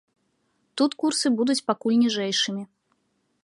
Тут курсы будуць пакуль ніжэйшымі.